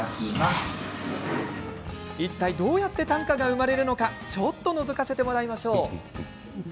いったい、どうやって短歌が生まれるのか、ちょっとのぞかせてもらいましょう。